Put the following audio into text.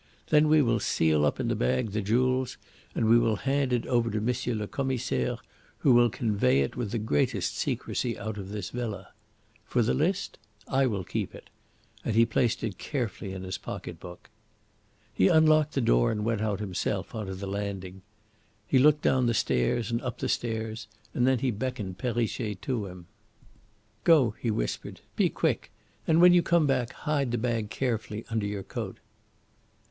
Then we will seal up in the bag the jewels, and we will hand it over to M. le Commissaire, who will convey it with the greatest secrecy out of this villa. For the list I will keep it," and he placed it carefully in his pocket book. He unlocked the door and went out himself on to the landing. He looked down the stairs and up the stairs; then he beckoned Perrichet to him. "Go!" he whispered. "Be quick, and when you come back hide the bag carefully under your coat."